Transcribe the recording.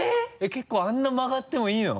結構あんなに曲がってもいいの？